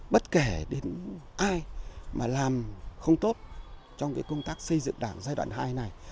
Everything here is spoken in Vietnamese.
bất kể đến ai mà làm không tốt trong cái công tác xây dựng đảng giai đoạn này